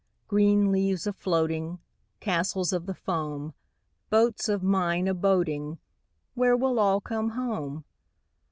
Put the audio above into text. Green leaves a floating, Castles of the foam, Boats of mine a boating— Where will all come home?